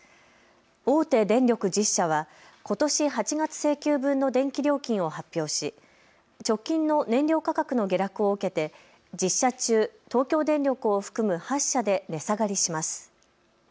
大手電力１０社はことし８月、請求分の電気料金を発表し直近の燃料価格の下落を受けて１０社中東京電力を含む８社で値下がりします。